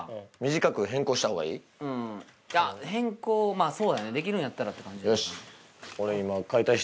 まあそうやねできるんやったらって感じでよし俺